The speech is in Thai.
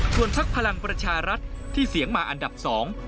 ส่วนพักพลังประชารัฐที่เสียงมาอันดับสอง